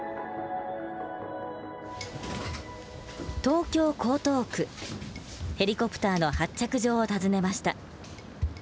東京・江東区ヘリコプターの発着場を訪ねました。